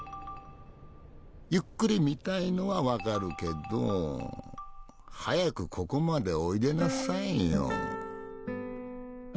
ゆっくり見たいのは分かるけど早くここまでおいでなさいよ。